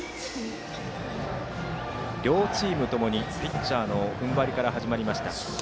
両チームともにピッチャーの踏ん張りから始まりました。